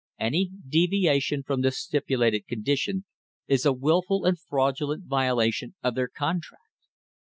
Any deviation from this stipulated condition is a wilful and fraudulent violation of their contract.